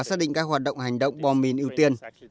xác định các hoạt động hành động bom mìn ưu tiên